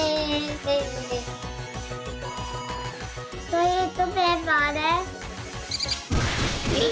トイレットペーパーです。